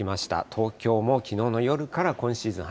東京もきのうの夜から今シーズン